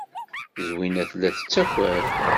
Zwina tella tettaker.